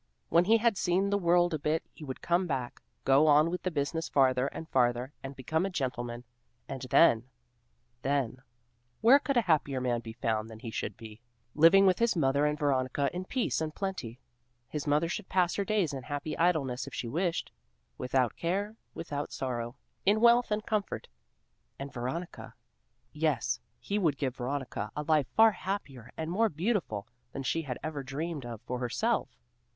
When he had seen the world a bit he would come back, go on with the business farther and farther, and become a gentleman; and then then where could a happier man be found than he should be, living with his mother and Veronica in peace and plenty. His mother should pass her days in happy idleness if she wished, without care, without sorrow, in wealth and comfort, and Veronica! Yes, he would give Veronica a life far happier and more beautiful than she had ever dreamed of for herself!